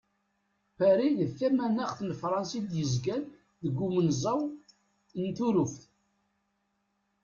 Paris d tamanaxt n Frans i d-yezgan deg umenẓaw n Turuft.